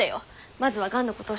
まずはがんのことを知って。